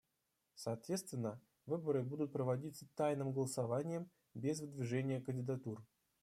Соответственно, выборы будут проводиться тайным голосованием без выдвижения кандидатур.